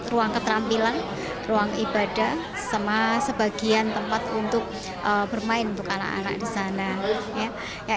ruang keterampilan ruang ibadah sama sebagian tempat untuk bermain untuk anak anak di sana ya